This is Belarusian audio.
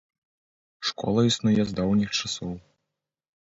Школа існуе з даўніх часоў.